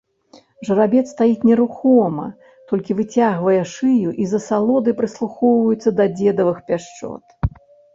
Жарабец стаіць нерухома, толькі выцягвае шыю і з асалодай прыслухоўваецца да дзедавых пяшчот.